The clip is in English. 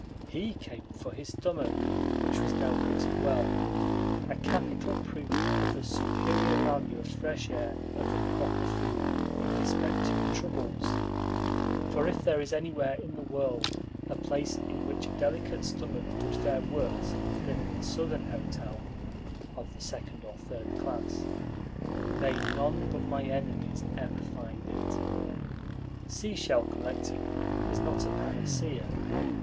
He came for his stomach, which was now pretty well, a capital proof of the superior value of fresh air over "proper" food in dyspeptic troubles; for if there is anywhere in the world a place in which a delicate stomach would fare worse than in a Southern hotel, of the second or third class, may none but my enemies ever find it. Seashell collecting is not a panacea.